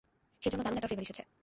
সেজন্য দারুণ একটা ফ্লেভার এসেছে।